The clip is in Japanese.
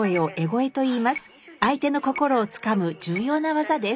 相手の心をつかむ重要な技です。